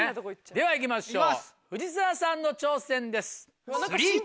ではいきましょう藤澤さんの挑戦です。